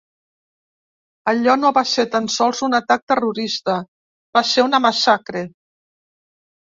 Allò no va ser tan sols un atac terrorista, va ser una massacre.